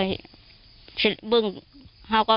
ที่มีข่าวเรื่องน้องหายตัว